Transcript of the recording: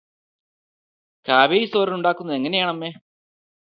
Cabbage തോരനുണ്ടാക്കുന്നതെങ്ങനെയാണ് അമ്മേ?